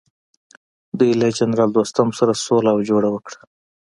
دوی له جنرال دوستم سره سوله او جوړه وکړه.